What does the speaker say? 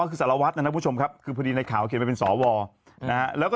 คือสวนะนะผู้ชมครับคือพอดีในข่าวเขียนเป็นสวแล้วก็